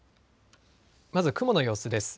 まず雲の様子です。